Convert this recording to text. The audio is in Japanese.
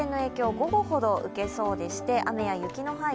午後ほど受けそうでして雨や雪の範囲